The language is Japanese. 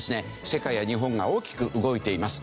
世界や日本が大きく動いています。